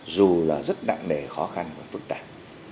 dù là rất nặng nề khó khăn và phức tạp